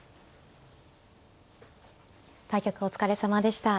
対局お疲れさまでした。